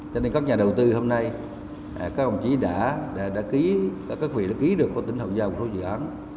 cho nên các nhà đầu tư hôm nay các ông chí đã ký các vị đã ký được với tỉnh hậu giang một số dự án